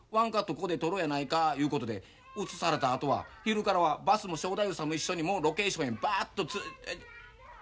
ここで撮ろうやないかいうことで映されたあとは昼からはバスも正太夫さんも一緒にもうロケーションへバッと。